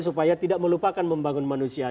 supaya tidak melupakan membangun manusia